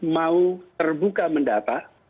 mau terbuka mendata